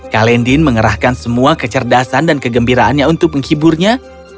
kalendin mengerahkan semua kecerdasan dan kegembiraannya untuk menghiburnya